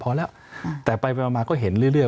พอแล้วแต่ไปมาก็เห็นเรื่อย